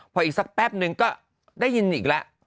พออีกสักแป๊บนึงก็ได้ยินอีกแล้ว